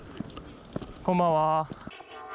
こんばんは。